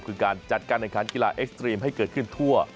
คือการจัดการแข่งขันกีฬาเอ็กซ์ตรีมให้เกิดขึ้นทั่ว